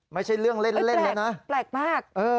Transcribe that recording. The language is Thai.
ไม่ใช่เรื่องเล่นแล้วนะแปลกมาก